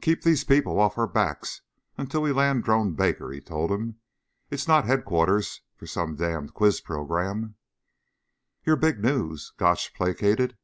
"Keep these people off our backs until we land Drone Baker," he told him. "It's not headquarters for some damned quiz program." "You're big news," Gotch placated.